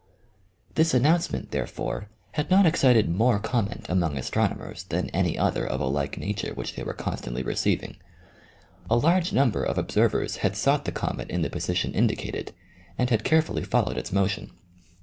This announcement, therefore, had not excited more comment among astronomers than any other of a like nature which they were constantly receiving. A large number of ob servers had sought the comet in the position indicated, and had carefully followed its motion.